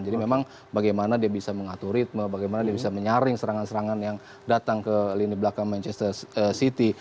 jadi memang bagaimana dia bisa mengatur ritme bagaimana dia bisa menyaring serangan serangan yang datang ke lini belakang manchester city